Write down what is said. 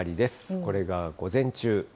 これが午前中。